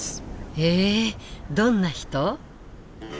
えどんな人？